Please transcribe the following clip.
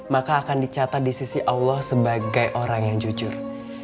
maka akan dicatat di sisi allah sebagai orang yang jujur